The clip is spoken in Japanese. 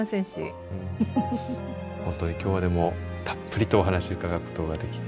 本当に今日はでもたっぷりとお話伺うことができて。